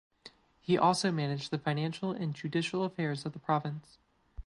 He also managed the financial and judicial affairs of the province.